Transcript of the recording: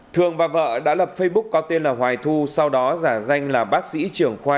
thường và vợ đã lập facebook có tên là hoài thu sau đó giả danh là bác sĩ trưởng khoa